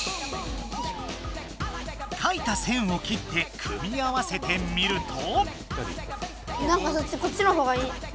かいた線を切って組み合わせてみると。